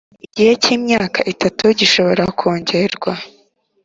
igihe cy’imyaka itatu gishobora kongerwa